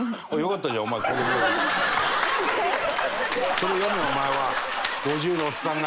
それ読めお前は。